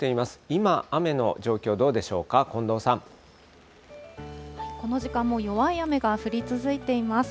今、雨の状況どうでしょうか、近この時間も弱い雨が降り続いています。